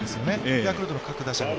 ヤクルトの各打者。